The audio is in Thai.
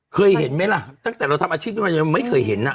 เคยเห็นมั้ยล่ะตั้งแต่เราทำอาชีพไม่เคยเห็น